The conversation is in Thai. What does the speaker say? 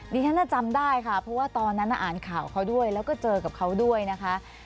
ดิฉันจำได้ค่ะเพราะว่าตอนนั้นอ่านข่าวเขาด้วยแล้วก็เจอกับเขาด้วยนะคะ